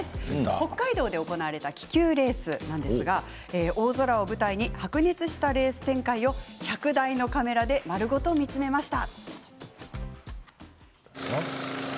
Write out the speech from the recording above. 北海道で行われた気球レースなんですが大空を舞台に白熱したレース展開を１００台のカメラで丸ごと見つめました。